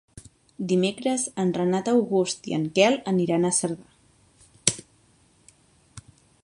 Dimecres en Renat August i en Quel aniran a Cerdà.